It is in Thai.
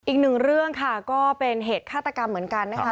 อีกหนึ่งเรื่องค่ะก็เป็นเหตุฆาตกรรมเหมือนกันนะคะ